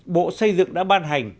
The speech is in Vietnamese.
bộ xây dựng đã ban hành